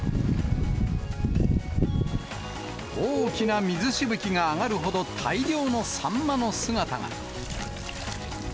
大きな水しぶきが上がるほど、大量のサンマの姿が。